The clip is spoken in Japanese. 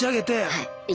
はい。